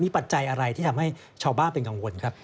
ปัจจัยอะไรที่ทำให้ชาวบ้านเป็นกังวลครับ